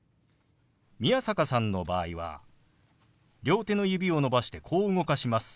宮坂さんの場合は両手の指を伸ばしてこう動かします。